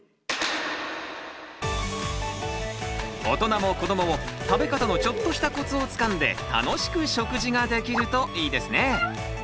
大人も子どもも食べ方のちょっとしたコツをつかんで楽しく食事ができるといいですね！